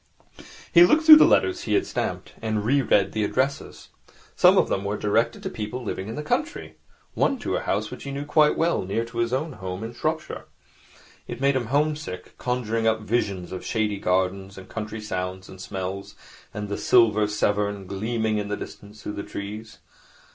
He looked through the letters he had stamped, and re read the addresses. Some of them were directed to people living in the country, one to a house which he knew quite well, near to his own home in Shropshire. It made him home sick, conjuring up visions of shady gardens and country sounds and smells, and the silver Severn gleaming in the distance through the trees.